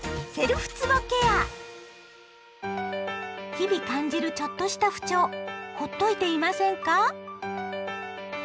日々感じるちょっとした不調ほっといていませんか？